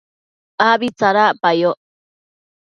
abi tsadacpayoc